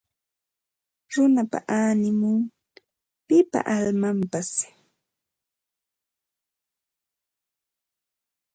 Runapa animun; pipa almanpas